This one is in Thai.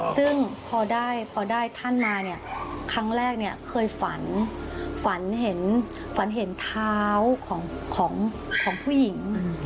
ซึ่งพอได้ท่านมาครั้งแรกเคยฝันเห็นเท้าของผู้หญิง